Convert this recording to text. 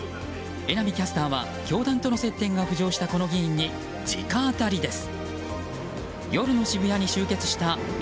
榎並キャスターは教団との接点が浮上したこの議員に、直アタリです。